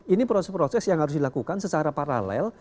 ini proses proses yang harus dilakukan secara paralel